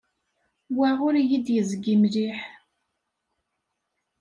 Wa ur iyi-d-yezgi mliḥ.